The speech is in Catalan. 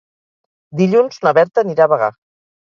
Dilluns na Berta anirà a Bagà.